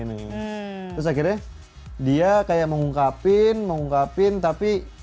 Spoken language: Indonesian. terus akhirnya dia kayak mengungkapin mengungkapin tapi